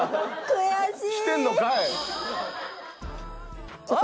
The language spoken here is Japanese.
悔しい！